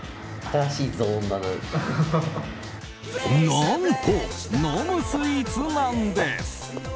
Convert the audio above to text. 何と、飲むスイーツなんです。